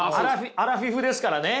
アラフィフですからね。